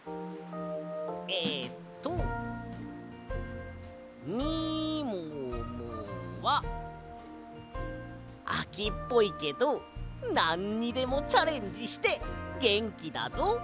えっと「みももはあきっぽいけどなんにでもチャレンジしてげんきだぞ。